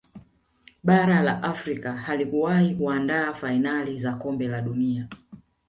bara la Afrika halikuwahi kuandaa fainali za kombe la dunia